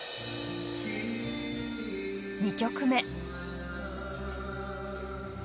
２曲目。